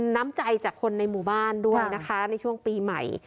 น้ำใจจากคนในหมู่บ้านด้วยนะคะในช่วงปีใหม่